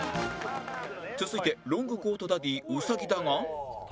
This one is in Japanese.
続いてロングコートダディ兎だが